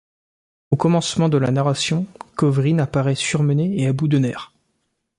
Au commencement de la narration, Kovrine apparaît surmené et à bout de nerfs.